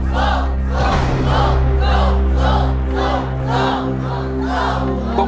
สู้สู้สู้สู้สู้